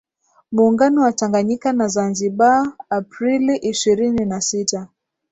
Muungano wa Tanganyika na Zanzibar Aprili ishirini na sita